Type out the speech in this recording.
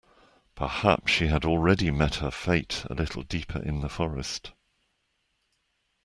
Perhaps she had already met her fate a little deeper in the forest.